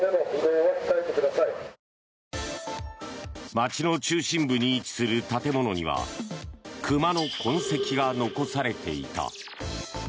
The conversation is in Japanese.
街の中心部に位置する建物には熊の痕跡が残されていた。